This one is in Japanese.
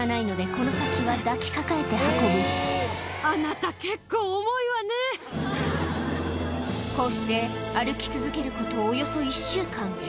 この先は抱きかかえて運ぶこうして歩き続けることおよそ１週間